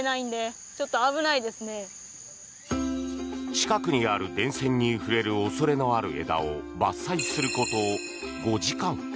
近くにある電線に触れる恐れのある枝を伐採すること５時間。